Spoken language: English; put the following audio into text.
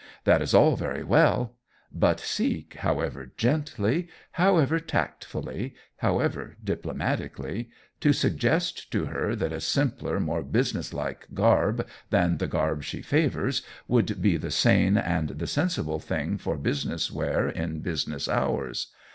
That is all very well; but seek, however gently, however tactfully, however diplomatically, to suggest to her that a simpler, more businesslike garb than the garb she favors would be the sane and the sensible thing for business wear in business hours.